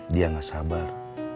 dia enggak sabar